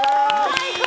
最高。